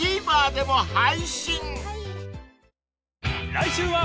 ［来週は］